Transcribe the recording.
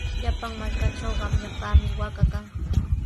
Llapan markatraw qamllapami waaka kan.